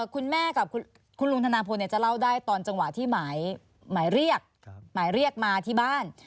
คุณแม่กับคุณลุงธนาพลเนี่ยจะเล่าได้ตอนจังหวะที่หมายเรียกมาที่บ้าน